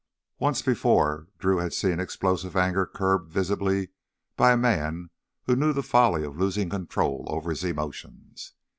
Once before Drew had seen explosive anger curbed visibly by a man who knew the folly of losing control over his emotions.